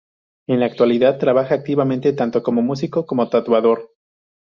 En la actualidad trabaja activamente tanto como músico como tatuador.